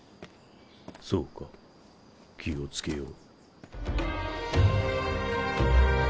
そうか気を付けよう。